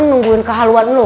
nungguin kehaluan lu